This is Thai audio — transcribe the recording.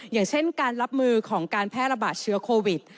อย่างเช่นการรับมือของการแพร่ระบาดเชื้อโควิด